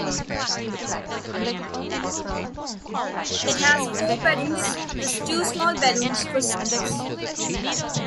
It has four bedrooms, plus two small bedrooms for servants.